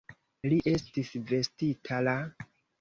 Li estis vestita la?